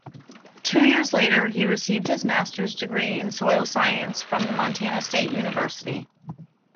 Two years later he received his master's degree in soil science from the Montana State University.